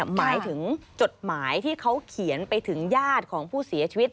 หมายถึงจดหมายที่เขาเขียนไปถึงญาติของผู้เสียชีวิต